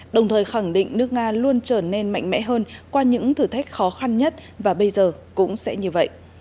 đồng thời khẳng định nước nga luôn trở nên mạnh mẽ hơn qua những thử thách khó khăn nhất và bây giờ cũng sẽ như vậy